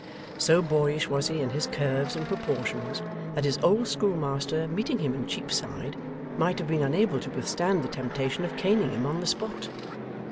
So boyish was he in his curves and proportions, that his old schoolmaster meeting him in Cheapside, might have been unable to withstand the temptation of caning him on the spot.